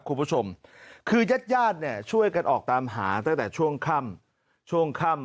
กูพายก็เลยบอกว่าเดี๋ยวประสานไปยังหมอปลาดีกว่า